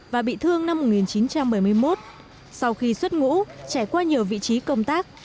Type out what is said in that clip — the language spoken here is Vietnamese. và bị thương năm một nghìn chín trăm bảy mươi một sau khi xuất ngũ trải qua nhiều vị trí công tác